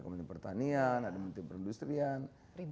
kementerian pertanian ada menteri perindustrian